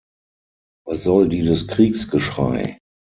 Was soll dieses Kriegsgeschrei?